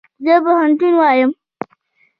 زه پوهنتون وایم